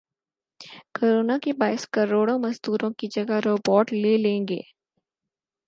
corona کے باعث کروڑ مزدوروں کی جگہ روبوٹ لے لیں گے